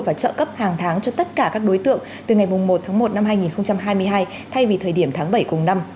và trợ cấp hàng tháng cho tất cả các đối tượng từ ngày một tháng một năm hai nghìn hai mươi hai thay vì thời điểm tháng bảy cùng năm